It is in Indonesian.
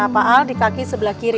pak al di kaki sebelah kiri